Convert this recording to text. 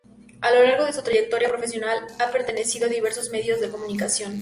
A lo largo de su trayectoria profesional ha pertenecido a diversos medios de comunicación.